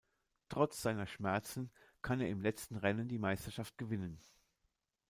Trotz seiner Schmerzen kann er im letzten Rennen die Meisterschaft gewinnen.